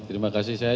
terima kasih saya